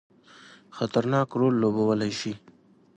خطرناک رول لوبولای شي.